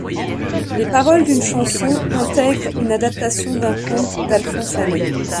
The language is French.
Les paroles d'une chanson intègrent une adaptation d'un conte d'Alphonse Allais.